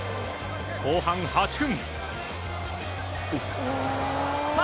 後半８分。